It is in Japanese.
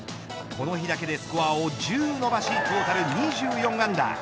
この日だけでスコアを１０伸ばしトータル２４アンダー。